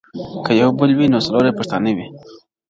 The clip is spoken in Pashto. یو که بل وي نو څلور یې پښتانه وي-